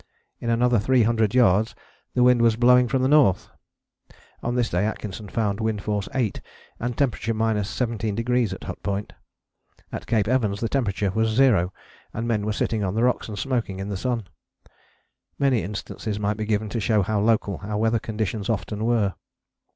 In another three hundred yards the wind was blowing from the north. On this day Atkinson found wind force 8 and temperature 17° at Hut Point: at Cape Evans the temperature was zero and men were sitting on the rocks and smoking in the sun. Many instances might be given to show how local our weather conditions often were.